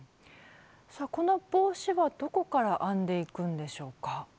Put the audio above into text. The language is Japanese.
この帽子はどこから編んでいくんでしょうか？